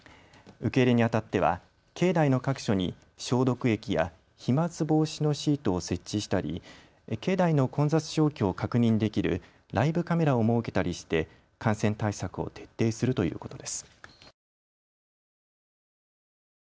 受け入れにあたっては境内の各所に消毒液や飛まつ防止のシートを設置したり境内の混雑状況を確認できるライブカメラを設けたりして感染対策を徹底するということです。